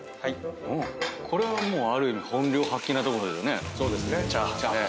これはもうある意味本領発揮なとこですよね。